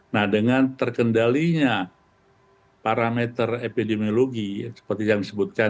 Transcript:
nah dengan terkendalinya parameter epidemiologi seperti yang disebutkan